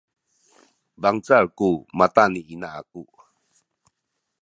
bangcal ku mata ni ina aku